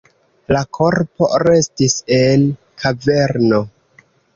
La korpo restis en kaverno.